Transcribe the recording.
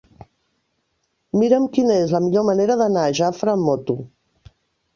Mira'm quina és la millor manera d'anar a Jafre amb moto.